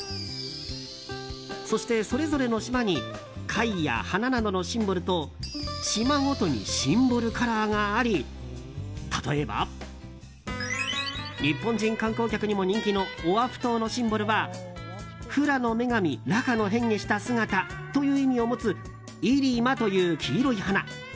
そして、それぞれの島に貝や花などのシンボルと島ごとにシンボルカラーがあり例えば日本人観光客にも人気のオアフ島のシンボルはフラの女神、ラカの変化した姿という意味を持つイリマという黄色い花。